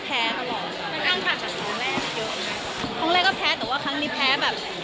พรุ่งแรกก็แพ้แต่ครั้งนี้แพ้แบบ